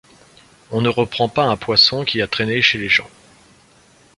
On ne reprend pas un poisson qui a traîné chez les gens.